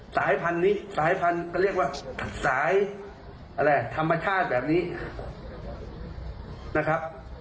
สายพันธุ์นี้สายพันธุ์ก็เรียกว่าสายอะไรธรรมชาติแบบนี้นะครับ